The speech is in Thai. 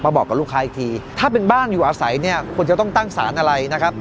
บอกกับลูกค้าอีกทีถ้าเป็นบ้านอยู่อาศัยเนี่ยควรจะต้องตั้งสารอะไรนะครับ